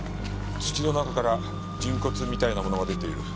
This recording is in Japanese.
「土の中から人骨みたいなものが出ている」。